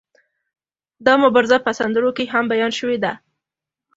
دا مبارزه په سندرو کې هم بیان شوې ده.